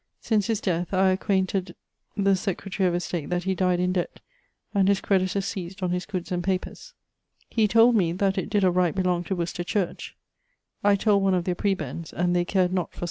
Since his death, I acquainted the Secretary of Estate that he dyed in debt, and his creditors seised on his goods and papers. He told me that it did of right belong to Worcester Church. I told one of their prebends, and they cared not for such things.